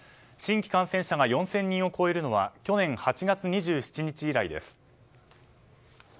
新規感染者が４０００人を超えるのは去年８月２７日以来です。